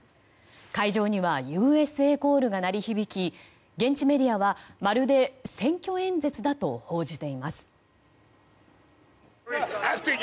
会場にはＵＳＡコールが鳴り響き現地メディアは、まるで選挙演説だと報じています。